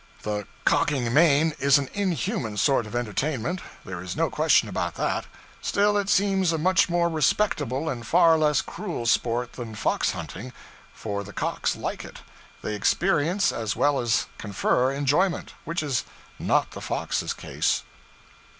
The 'cocking main' is an inhuman sort of entertainment, there is no question about that; still, it seems a much more respectable and far less cruel sport than fox hunting for the cocks like it; they experience, as well as confer enjoyment; which is not the fox's case.